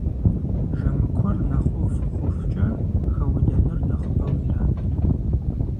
Жэмыкуэр нэхъ ӏув хъухукӏэ хэудэныр нэхъыбэу ират.